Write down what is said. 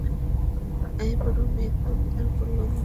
আইবড়ো মেয়েকে উদ্ধার করলে মহাপুণ্য।